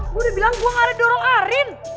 gue udah bilang gua gak ada dorong arin